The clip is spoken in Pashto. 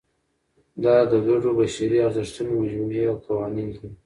دا د ګډو بشري ارزښتونو مجموعې او قوانین دي.